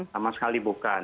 sama sekali bukan